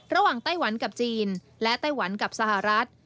ไต้หวันกับจีนและไต้หวันกับสหรัฐ